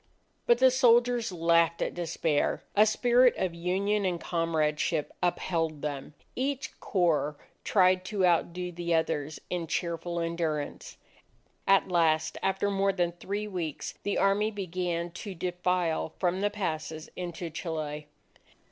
But the soldiers laughed at despair; a spirit of union and comradeship upheld them. Each corps tried to outdo the others in cheerful endurance. At last, after more than three weeks, the Army began to defile from the passes into Chile.